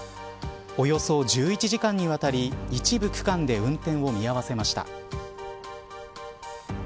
およそ１１時間にわたり一部区間で運転を見合わせました。